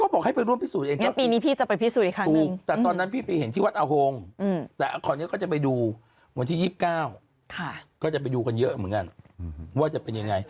แล้วลอยอยู่นานไหมคะที่พี่เห็นขึ้นค่อยลอยขึ้นข้างบนอ่ะ